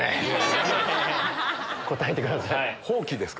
答えてください。